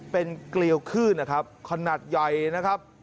เป็นเกลียวขึ้นนะครับขนาดใหญ่นะครับ